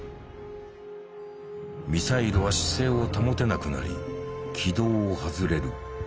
ミサイルは姿勢を保てなくなり軌道を外れる。